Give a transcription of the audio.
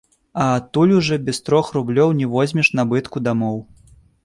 А адтуль ужо без трох рублёў не возьмеш набытку дамоў.